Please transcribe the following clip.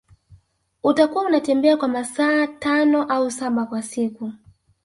Utakuwa unatembea kwa masaa tano au saba kwa siku